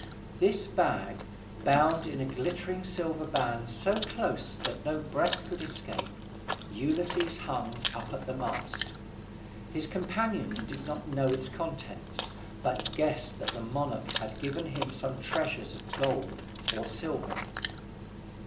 This bag, bound in a glittering silver band so close that no breath could escape, Ulysses hung up at the mast. His companions did not know its contents, but guessed that the monarch had given to him some treasures of gold or silver.